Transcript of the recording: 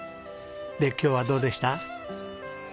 で今日はどうでした？